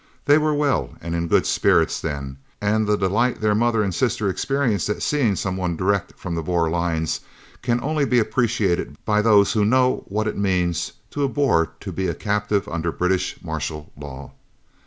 They were well and in good spirits then, and the delight their mother and sister experienced at seeing some one direct from the Boer lines can only be appreciated by those who know what it means to a Boer to be a captive under British martial law.